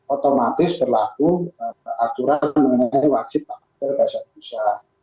otomatis berlaku aturan mengenai wajib bahkan terbesar besar